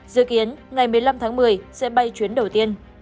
dự kiến ngày một mươi năm tháng một mươi sẽ bay chuyến đầu tiên